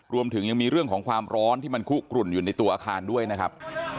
รวมถึงยังมีเรื่องของความร้อนที่มันคุกกลุ่นอยู่ในตัวอาคารด้วยนะครับ